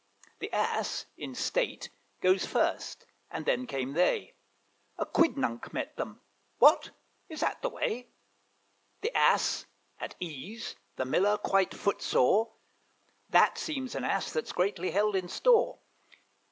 The Ass in state goes first, and then came they. A quidnunc met them What! is that the way? The Ass at ease, the Miller quite foot sore! That seems an Ass that's greatly held in store.